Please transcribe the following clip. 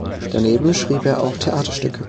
Daneben schrieb er auch Theaterstücke.